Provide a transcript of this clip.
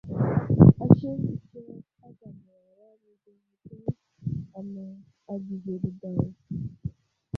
Aseŋ kusəɗ aka məwara mədzeŋeteŋ anaŋ a bəzəɗe daw.